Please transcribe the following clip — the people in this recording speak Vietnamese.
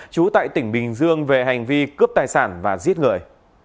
trú tại tỉnh bình dương về hành vi cướp tài sản và giết người